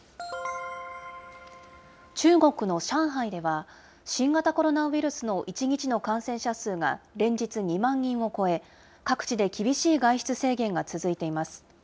中国の上海では、新型コロナウイルスの１日の感染者数が連日２万人を超え、各地で厳しい外出制限が続いています。